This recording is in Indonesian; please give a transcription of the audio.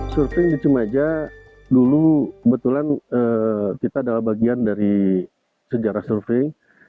surfing di cimaja dulu kebetulan kita adalah bagian dari sejarah surfing